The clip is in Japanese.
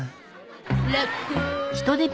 ラッコ。